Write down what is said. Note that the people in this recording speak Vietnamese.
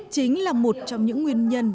chính là một trong những nguyên nhân